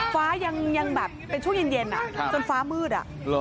ฟ้ายังแบบเป็นช่วงเย็นจนฟ้ามืด